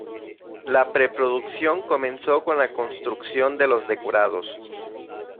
La pre-producción comenzó con la construcción de los decorados.